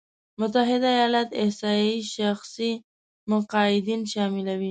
متحده ایالات احصایې شخصي مقاعدين شاملوي.